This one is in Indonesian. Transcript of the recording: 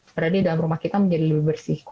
berada di dalam rumah kita menjadi lebih bersih